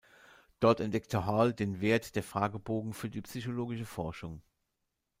Dort entdeckte Hall den Wert der Fragebogen für die psychologische Forschung.